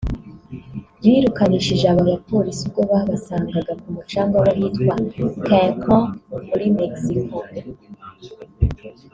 birukanishije aba bapolisi ubwo babasangaga ku mucanga w’ahitwa Cancun muri Mexico